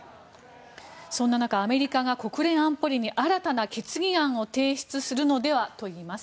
そんな中、アメリカが国連安保理に新たな決議案を提出するのではといわれています。